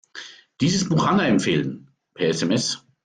Dieses Buch Anna empfehlen, per SMS.